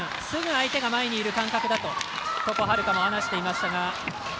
すぐ相手が前にいる感覚だと床秦留可も話していましたが。